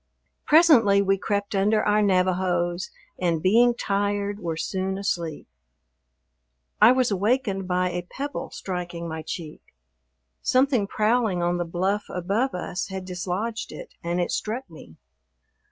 Presently we crept under our Navajos and, being tired, were soon asleep. I was awakened by a pebble striking my cheek. Something prowling on the bluff above us had dislodged it and it struck me.